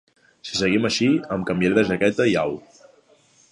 Si seguim així em canviaré de jaqueta i au.